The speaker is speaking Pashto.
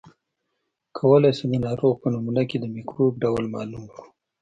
کولای شو د ناروغ په نمونه کې د مکروب ډول معلوم کړو.